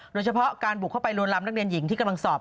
โดยเฉพาะการบุกเข้าไปลวนลำนักเรียนหญิงที่กำลังสอบ